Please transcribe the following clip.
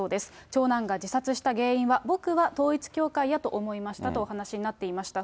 長男が自殺した原因は、僕は統一教会やと思いましたとお話になっていました。